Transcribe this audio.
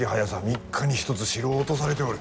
３日に一つ城を落とされておる。